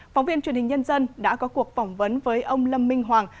phóng viên truyền hình nhân dân đã có cuộc phỏng vấn với ông lâm minh hoàng